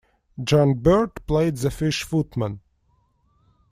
John Bird played the Fish Footman.